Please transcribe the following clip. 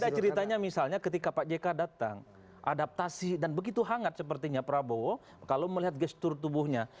ada ceritanya misalnya ketika pak jk datang adaptasi dan begitu hangat sepertinya prabowo kalau melihat gestur tubuhnya